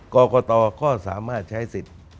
กรกตก็สามารถใช้สิทธิ์